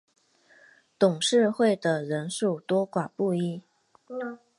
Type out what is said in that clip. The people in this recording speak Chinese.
董事会的人数多寡不一。